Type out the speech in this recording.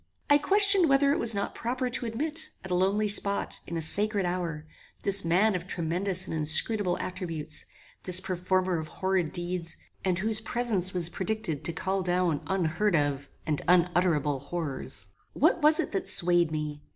I questioned whether it was not proper to admit, at a lonely spot, in a sacred hour, this man of tremendous and inscrutable attributes, this performer of horrid deeds, and whose presence was predicted to call down unheard of and unutterable horrors. What was it that swayed me?